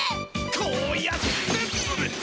こうやってだ！